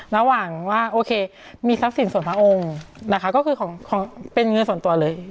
ระหว่างว่าโอเคมีทรัพย์สินส่วนพระองค์นะคะก็คือของเป็นเงินส่วนตัวเลย